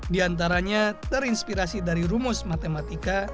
diantaranya terinspirasi dari rumus matematik